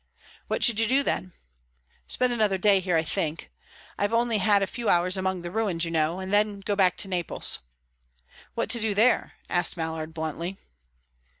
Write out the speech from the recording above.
"What should you do, then?" "Spend another day here, I think, I've only had a few hours among the ruins, you know, and then go back to Naples." "What to do there?" asked Mallard, bluntly.